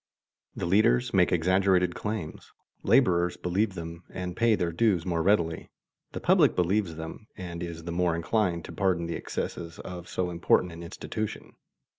The leaders make exaggerated claims; laborers believe them and pay their dues more readily; the public believes them and is the more inclined to pardon the excesses of so important an institution.